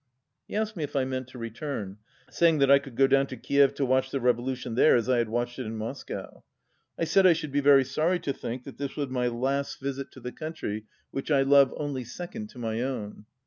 He asked me if I meant to return, saying that I could go down to Kiev to watch the revolution there as I had watched it in Moscow. I said I should be very sorry to think that this was my last 229 visit to the country which I love only second to my own.